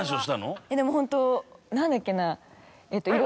でもホント何だっけな。